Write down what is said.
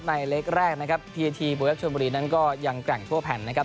เล็กแรกนะครับทีทีบูเอฟชนบุรีนั้นก็ยังแกร่งทั่วแผ่นนะครับ